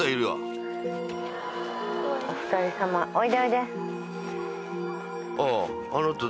お二人さまおいでおいで。